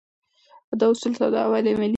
دا اصول ساده او عملي دي.